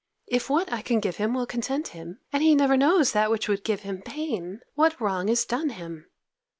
If what I can give him will content him, and he never knows that which would give him pain, what wrong is done him?